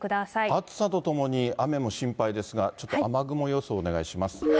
暑さとともに雨も心配ですが、ちょっと雨雲予想をお願いします。